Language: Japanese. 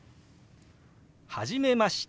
「初めまして。